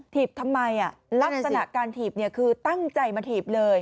เทียบทำไมอ่ะลักษณะการเทียบเนี่ยคือตั้งใจมาเถียบเลย